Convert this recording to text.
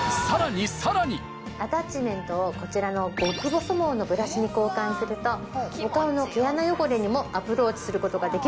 アタッチメントをこちらの極細毛のブラシに交換するとお顔の毛穴汚れにもアプローチすることができるんです。